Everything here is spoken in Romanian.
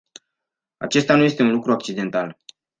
Acesta nu este un lucru accidental.